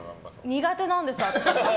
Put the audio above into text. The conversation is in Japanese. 苦手なんですよ、私。